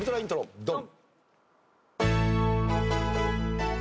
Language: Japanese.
ドン！